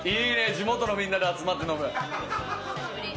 地元のみんなで集まって飲む。